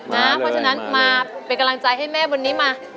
เพราะฉะนั้นมาเป็นกำลังใจให้แม่บนนี้มา